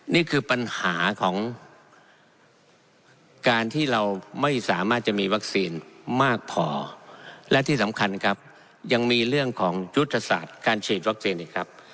นี่คือปัญหาของการที่เราไม่สามารถจะมีวัคซีนมากพอและที่สำคัญครับยังมีเรื่องของยุทธศาสตร์การฉีดวัคซีนอีกครับ